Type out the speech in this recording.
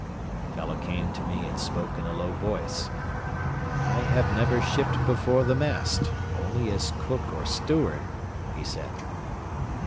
The fellow came to me and spoke in a low voice. "I have never shipped before the mast only as cook, or steward," he said.